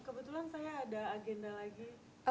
kebetulan saya ada agenda lagi